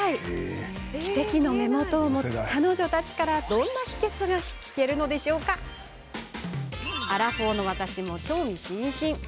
奇跡の目元を持つ彼女たちからどんな秘けつが聞けるのでしょうかアラフォーの私も興味津々です。